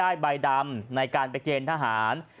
ให้กับลูกชายให้ได้ใบดำในการไปเกณฑ์ทหาร